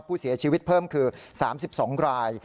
ผู้เสียชีวิตเพิ่มคือ๓๒ราย